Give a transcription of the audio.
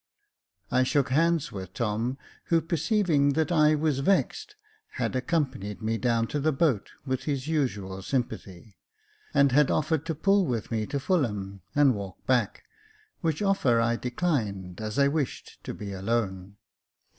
I SHOOK hands with Tom, who perceiving that I was vexed, had accompanied me down to the boat, with his usual sympathy, and had offered to pull with me to Fulham, and walk backj which offer I declined, as I wished to be alone.